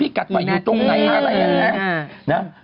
พี่กัดไว้อยู่ตรงไหนอะไรอย่างนั้น